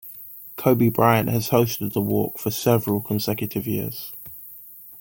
Kobe Bryant has hosted the walk for several consecutive years.